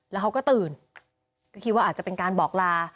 แล้วเขาก็ตื่นก็คิดว่าอาจจะเป็นการบอกลา